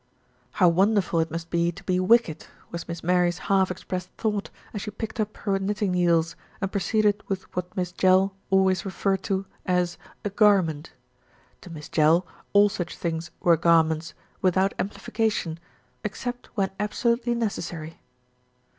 How wonderful it must be to be wicked, was Miss 29* THE RETURN OF ALFRED Mary's half expressed thought, as she picked up her knitting needles and proceeded with what Miss Jell always referred to as "a garment." To Miss Jell, all such things were garments, without amplification, except when absolutely necessary.